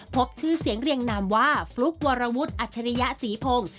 พบชื่อเสียงเรียงนามว่าฟลุ๊กวรวุฒิอัจฉริยศรีพงศ์